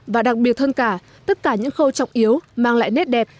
và đặc biệt hơn cả tất cả những khâu trọng yếu mang lại nét đẹp